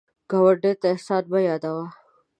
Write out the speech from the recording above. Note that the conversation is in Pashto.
ګاونډي ته احسان مه یادوه